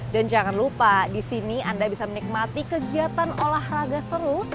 dan jangan lupa di sini anda bisa menikmati kegiatan olahraga seru